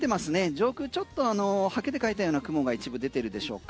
上空、ちょっとはけで書いたような雲が一部出てるでしょうか。